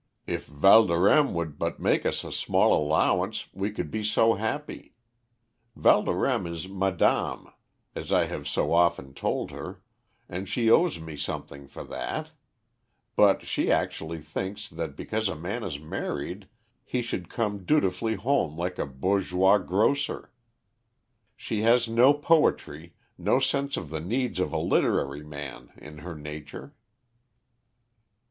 If Valdorême would but make us a small allowance, we could be so happy. Valdorême is madame, as I have so often told her, and she owes me something for that; but she actually thinks that because a man is married he should come dutifully home like a bourgeois grocer. She has no poetry, no sense of the needs of a literary man, in her nature."